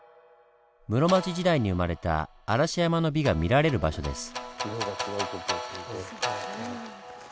室町時代に生まれた嵐山の美が見られる場所です。